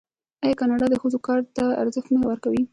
آیا کاناډا د ښځو کار ته ارزښت نه ورکوي؟